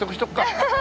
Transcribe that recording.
ハハハッ。